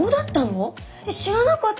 知らなかったよ！